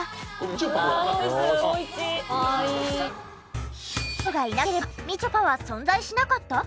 この人がいなければみちょぱは存在しなかった？